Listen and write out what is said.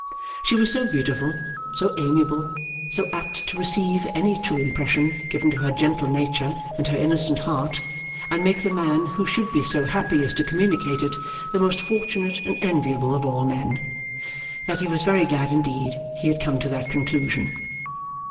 She was so beautiful, so amiable, so apt to receive any true impression given to her gentle nature and her innocent heart, and make the man who should be so happy as to communicate it, the most fortunate and enviable of all men, that he was very glad indeed he had come to that conclusion.